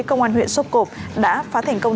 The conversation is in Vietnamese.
công an huyện sốp cộp đã phá thành công